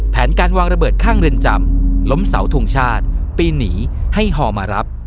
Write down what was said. แผนการวางระเบิดข้างเรือนจำล้มเสาทงชาติปีนหนีให้ฮอมารับ